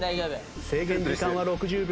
制限時間は６０秒。